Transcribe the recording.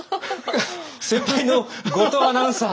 先輩の後藤アナウンサー！